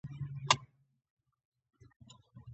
ما د لارې په لوحو او نقشو ځان برابر کړ.